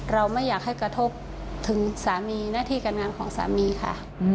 เราไม่อยากให้กระทบถึงสามีหน้าที่การงานของสามีค่ะ